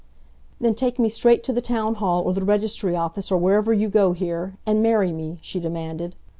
"Then take me straight to the town hall, or the registry office, or wherever you go here, and marry me," she demanded.